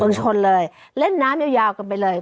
ชนเลยเล่นน้ำยาวกันไปเลย